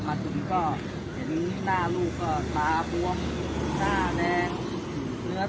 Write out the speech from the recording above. ตอนนี้กำหนังไปคุยของผู้สาวว่ามีคนละตบ